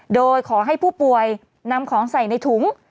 โดยขอให้ผู้ป่วยนำของใส่ในถุง